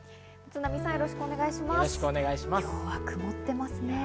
今日は曇ってますね。